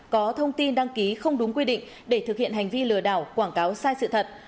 có thông tin đăng ký không đúng quy định để thực hiện hành vi lừa đảo quảng cáo sai sự thật